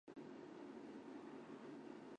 而这些恒星周围可能有大量暗物质存在。